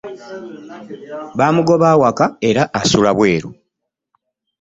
Bamugoba awaka era asula bweru.